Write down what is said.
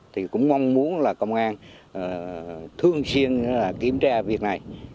thì cũng mong muốn là công an thường xuyên kiểm tra việc này